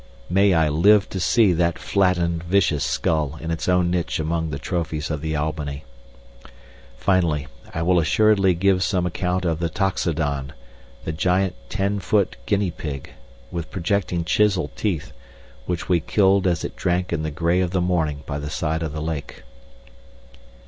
May I live to see that flattened vicious skull in its own niche amid the trophies of the Albany. Finally, I will assuredly give some account of the toxodon, the giant ten foot guinea pig, with projecting chisel teeth, which we killed as it drank in the gray of the morning by the side of the lake.